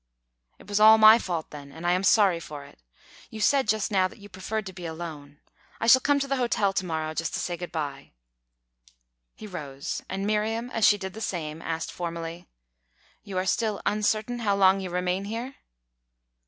"It was all my fault, then, and I am sorry for it. You said just now that you preferred to be alone. I shall come to the hotel to morrow, just to say good bye." He rose; and Miriam, as she did the same, asked formally: "You are still uncertain how long you remain here?"